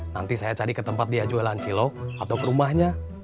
nanti saya cari ke tempat dia jualan cilok atau ke rumahnya